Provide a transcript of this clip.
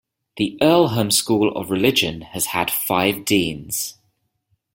The Earlham School of Religion has had five deans.